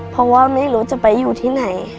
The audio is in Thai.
เพราะว่าไม่รู้จะไปอยู่ที่ไหน